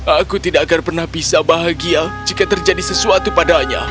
aku tidak akan pernah bisa bahagia jika terjadi sesuatu padanya